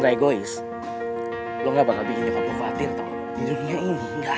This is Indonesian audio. astaghfirullahaladzim bobby kalau enggak tahu hidup orang